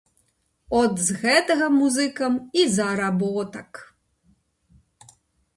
От з гэтага музыкам і заработак.